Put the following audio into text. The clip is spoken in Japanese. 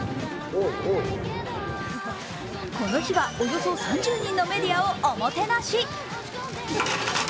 この日はおよそ３０人のメディアをおもてなし。